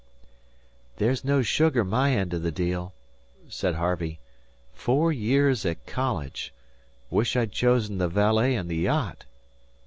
"There's no sugar in my end of the deal," said Harvey. "Four years at college! 'Wish I'd chosen the valet and the yacht!"